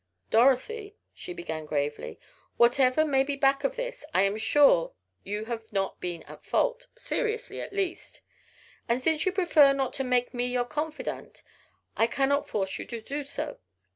"Dorothy," she began, gravely, "whatever may be back of this, I am sure you have not been at fault seriously at least. And since you prefer not to make me your confidant I cannot force you to do so.